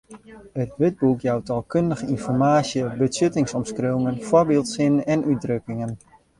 It wurdboek jout taalkundige ynformaasje, betsjuttingsomskriuwingen, foarbyldsinnen en útdrukkingen.